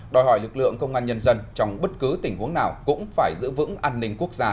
đòi hỏi lực lượng công an nhân dân trong bất cứ tình huống nào cũng phải giữ vững an ninh quốc gia